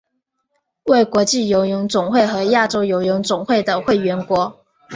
为国际游泳总会和亚洲游泳总会的会员国。